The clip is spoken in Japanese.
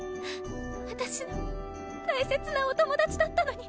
私の大切なお友達だったのに。